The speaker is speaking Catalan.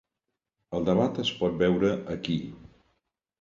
El debat es pot veure aquí.